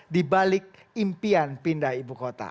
di balik impian pindah ibu kota